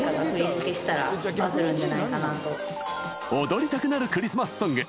踊りたくなるクリスマスソング